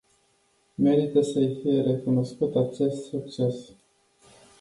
Merită să îi fie recunoscut acest succes.